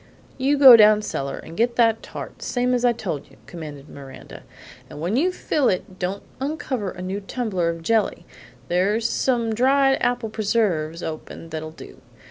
"You go down cellar and get that tart, same as I told you," commanded Miranda, "and when you fill it don't uncover a new tumbler of jelly; there's some dried apple preserves open that'll do.